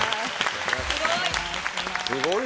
すごい！